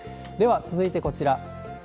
では続いてこちら。